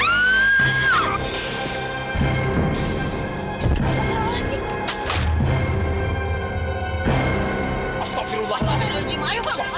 ini ada lontong ada kue lapis juga